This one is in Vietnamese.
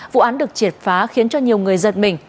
vụ án được triệt phá khiến cho nhiều người giật mình